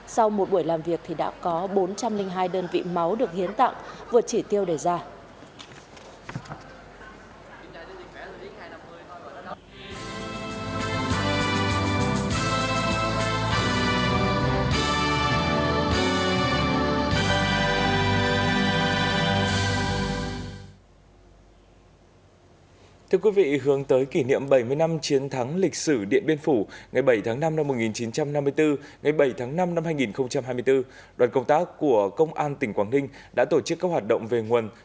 sau một buổi làm việc thì đã có bốn trăm linh hai đơn vị máu được hiến tặng vượt chỉ tiêu đề ra